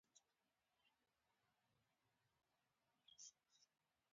سیلابونه د افغانستان یوه طبیعي ځانګړتیا ده.